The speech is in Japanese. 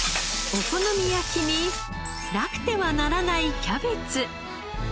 お好み焼きになくてはならないキャベツ。